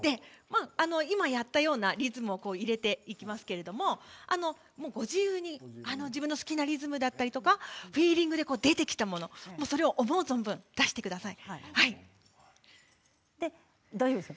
今やったようなリズムを入れていきますけれどご自由にご自分の好きなリズムだったりフィーリングで出てきたものそれを思う存分出してくださいね。